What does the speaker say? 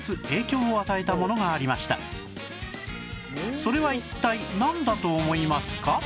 それは一体なんだと思いますか？